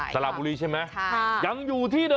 สละบุรีใช่มั้ย